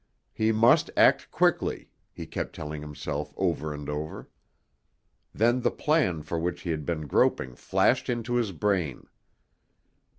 He must act quickly, he kept telling himself over and over. Then the plan for which he had been groping flashed into his brain.